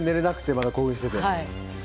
まだ興奮していて。